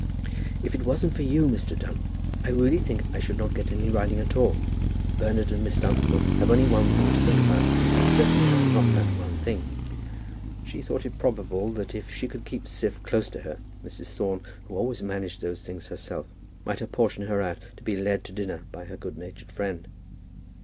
"If it wasn't for you, Mr. Dunn, I really think I should not get any riding at all. Bernard and Miss Dunstable have only one thing to think about, and certainly I am not that one thing." She thought it probable that if she could keep Siph close to her, Mrs. Thorne, who always managed those things herself, might apportion her out to be led to dinner by her good natured friend.